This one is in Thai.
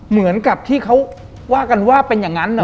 เหมือนกับที่เขาว่ากันว่าเป็นอย่างนั้นนะ